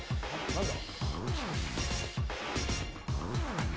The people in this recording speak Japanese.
何だ？